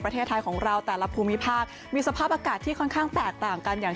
ประเทศไทยของเราแต่ละภูมิภาคมีสภาพอากาศที่ค่อนข้างแตกต่างกันอย่าง